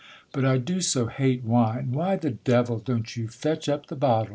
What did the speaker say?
But I do so hate wine—why the devil don't you fetch up the bottle?'